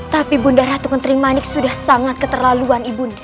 tapi ratu kentri manik sudah sangat keterlaluan ibu nda